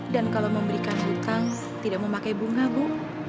dan kalau memberikan hutang tidak memakai bunga bu